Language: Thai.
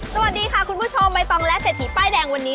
สวัสดีค่ะคุณผู้ชมใบตองและเศรษฐีป้ายแดงวันนี้